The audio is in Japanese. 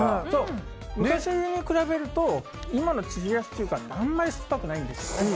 昔に比べると今の冷やし中華ってあんまり酸っぱくないんですよ。